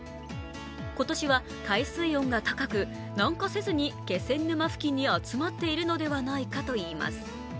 今年は海水温が高く南下せずに気仙沼付近に集まっているのではないかといいます。